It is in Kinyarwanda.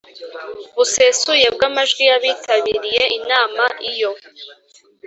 busesuye bw amajwi y abitabiriye inama Iyo